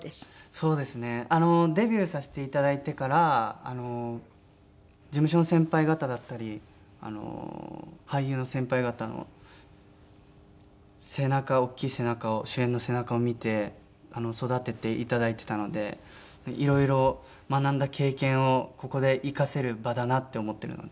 そうですねデビューさせていただいてから事務所の先輩方だったりあの俳優の先輩方の背中大きい背中を主演の背中を見て育てていただいてたのでいろいろ学んだ経験をここで生かせる場だなって思ってるので。